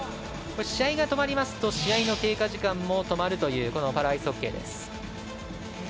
試合が止まりますと試合の経過時間も止まるというパラアイスホッケーです。